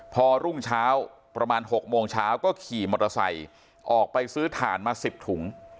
พอรุ่งเช้าประมาณ๖โมงเช้าก็ขี่มอเตอร์ไซค์ออกไปซื้อถ่านมา๑๐ถุง